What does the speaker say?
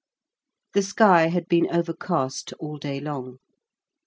The sky had been overcast all day long.